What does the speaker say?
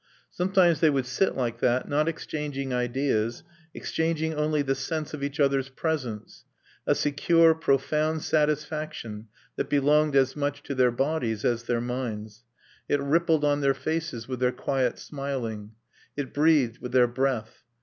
Sometimes they would sit like that, not exchanging ideas, exchanging only the sense of each other's presence, a secure, profound satisfaction that belonged as much to their bodies as their minds; it rippled on their faces with their quiet smiling, it breathed with their breath.